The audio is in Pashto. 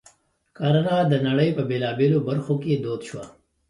کرنه د نړۍ په بېلابېلو برخو کې دود شوه.